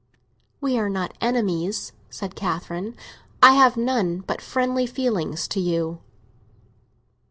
"We are not enemies," said Catherine. "I have none but friendly feelings to you."